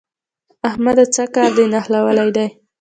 احمده! څه کار دې نښلولی دی؟